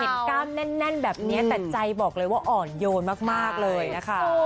กล้ามแน่นแบบนี้แต่ใจบอกเลยว่าอ่อนโยนมากเลยนะคะ